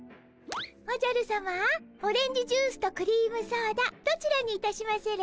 おじゃるさまオレンジジュースとクリームソーダどちらにいたしまする？